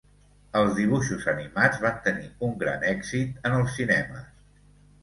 Els dibuixos animats van tenir un gran èxit en els cinemes.